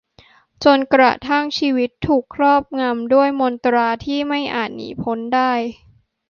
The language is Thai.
จนกระทั่งชีวิตถูกครอบงำด้วยมนตราที่ไม่อาจหนีพ้นได้